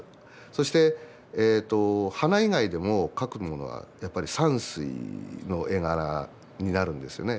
そして花以外でも描くものはやっぱり山水の絵柄になるんですよね。